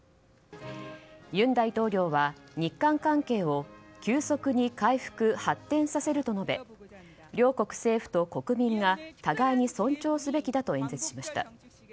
尹大統領は日韓関係を急速に回復・発展させると述べ両国政府と国民が、互いに尊重すべきだと演説しました。